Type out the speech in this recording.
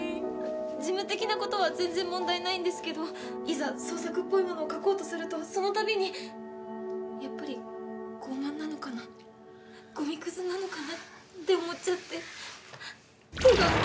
事務的な事は全然問題ないんですけどいざ創作っぽいものを書こうとするとその度にやっぱり傲慢なのかなゴミクズなのかなって思っちゃって手が。